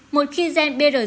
một khi gen brca một bị hỏng